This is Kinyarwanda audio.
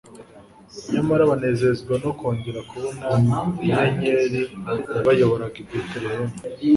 nyamara banezezwa no kongera kubona inyenyeri yabayoboraga i Betelehemu.